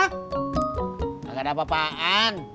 gak ada apa apaan